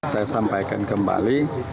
saya sampaikan kembali